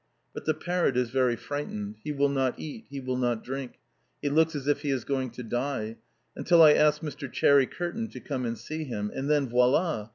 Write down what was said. But the parrot is very frightened. He will not eat. He will not drink. He looks as if he is going to die, until I ask Mr. Cherry Kearton to come and see him. And then, voilà!